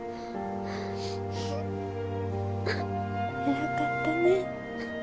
偉かったね。